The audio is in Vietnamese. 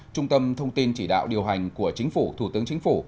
trung tâm thông tin chỉ đạo điều hành của chính phủ thủ tướng chính phủ